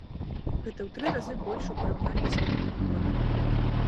Гэта ў тры разы больш у параўнанні з мінулым годам.